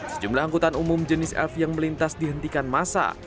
sejumlah angkutan umum jenis elf yang melintas dihentikan masa